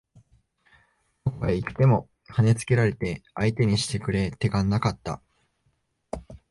どこへ行っても跳ね付けられて相手にしてくれ手がなかった